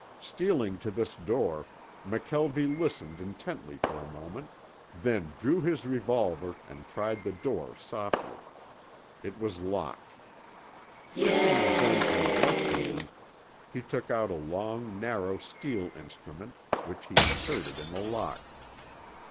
Stealing to this door, McKelvie listened intently for a moment, then drew his revolver and tried the door softly. It was locked. Shifting the gun to his left hand he took out a long, narrow steel instrument, which he inserted in the lock.